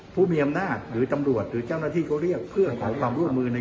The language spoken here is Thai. ผู้มีอำนาจหรือตำรวจหรือเจ้าหน้าที่เขาเรียกเพื่อขอความร่วมมือใน